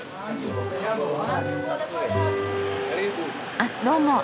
あっどうも。